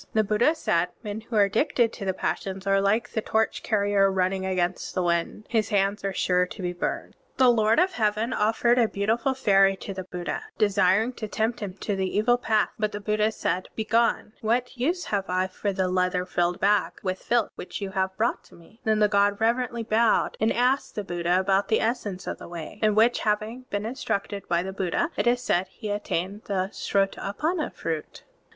'* (25) The Buddha said: "Men who are addicted to the passions are like the torch carrier running against the wind; his hands are sure to be burned." (26) The Lord of Heaven offered a beautiful fairy to the Buddha, desiring to tempt him to the evil path. But the Buddha said, "Be gone. Digitized by Google THE SUTRA OF FORTY TWO CHAPTERS 1$ What use have I for the leather bag filled with filth which you have brought to me?" Then, the god reverently bowed and asked the Buddha about the essence of the Way, in which having been instructed by the Buddha, it is said, he attained the Srota^panna fruit.